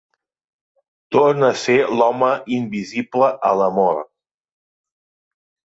Torna a ser l'home invisible a l'amor.